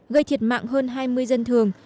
gây thiệt mạng hơn hai mươi dân thường